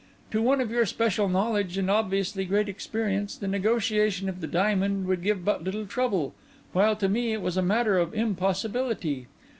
To one of your special knowledge and obviously great experience the negotiation of the diamond would give but little trouble, while to me it was a matter of impossibility.